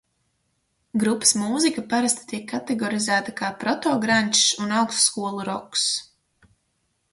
"Grupas mūzika parasti tiek kategorizēta kā "protograndžs" un "augstskolu roks"."